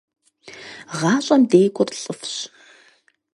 ГъашӀэм декӀур лӀыфӀщ.